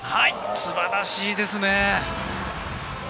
素晴らしいですね。